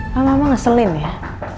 mama mama ngeselin ya